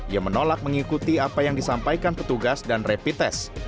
ia menolak mengikuti apa yang disampaikan petugas dan repites